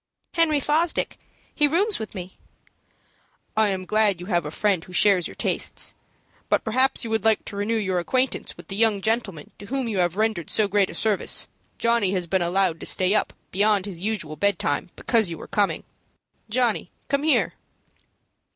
"Henry Fosdick. He rooms with me." "I am glad you have a friend who shares your tastes. But perhaps you would like to renew your acquaintance with the young gentleman to whom you have rendered so great a service. Johnny has been allowed to stay up beyond his usual bedtime because you were coming. Johnny, come here!"